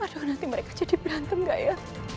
aduh nanti mereka jadi berantem gak ya